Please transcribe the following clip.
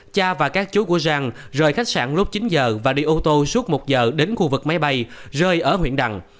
cha và các chú của răng rời khách sạn lúc chín giờ và đi ô tô suốt một giờ đến khu vực máy bay rơi ở huyện đằng